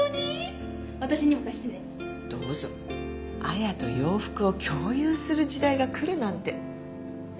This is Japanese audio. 亜矢と洋服を共有する時代が来るなんて。